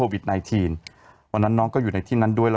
วันนั้นน้องก็อยู่ในที่นั้นด้วย